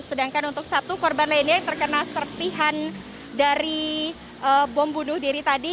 sedangkan untuk satu korban lainnya yang terkena serpihan dari bom bunuh diri tadi